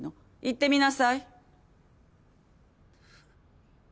言ってみなさい。